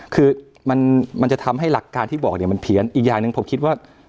คือมันจะทำให้หลักการที่บอกเนี่ยมันเพี้ยนอีกอย่างหนึ่งผมคิดว่า